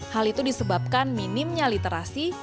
hal itu disebabkan minimnya literasi